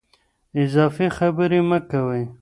اضافي خبرې مه کوئ.